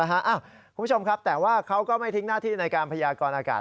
คุณผู้ชมครับแต่ว่าเขาก็ไม่ทิ้งหน้าที่ในการพยากรอากาศ